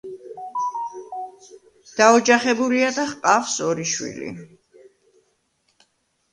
დაოჯახებულია და ჰყავს ორი შვილი.